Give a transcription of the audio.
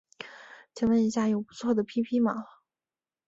请问一下有不错的 ㄟＰＰ 吗